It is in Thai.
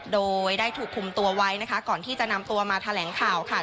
โดยได้ถูกคุมตัวไว้นะคะก่อนที่จะนำตัวมาแถลงข่าวค่ะ